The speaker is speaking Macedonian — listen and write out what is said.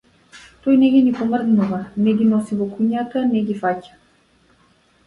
Тој не ги ни помрднува, не ги носи во кујната, не ги фаќа.